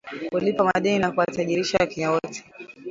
kulipa madeni na kuwatajirisha wakenya wote